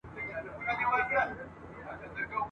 زه تږی د کلونو یم د خُم څنګ ته درځمه ..